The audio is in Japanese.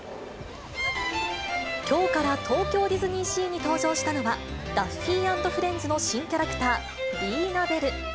きょうから東京ディズニーシーに登場したのはダッフィー・アンド・フレンズの新キャラクター、リーナ・ベル。